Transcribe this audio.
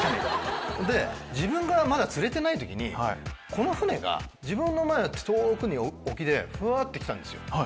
で自分がまだ釣れてない時にこの船が自分の前遠くに沖でフワって来たんですよ。